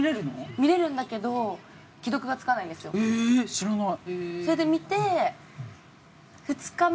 知らない。